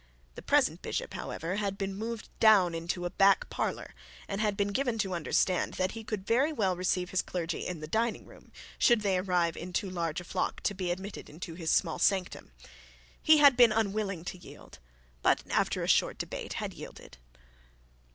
The present bishop, however, had been moved down into a back parlour, and had been given to understand that he could very well receive his clergy in the dining room, should they arrive in too large a flock to be admitted to his small sanctum. He had been unwilling to yield, but after a short debate had yielded.